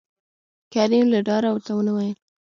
کريم له ډاره ورته ونه ويل